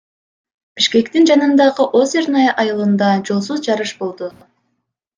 Бишкектин жанындагы Озерное айылында жолсуз жарыш болду.